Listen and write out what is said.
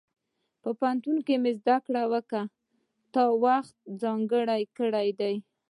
په پوهنتون کې مې زده کړې ته وخت ځانګړی کړی دی.